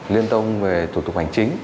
liên tông về thủ tục hành chính